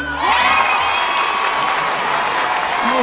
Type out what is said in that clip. ร้องได้ให้ร้าน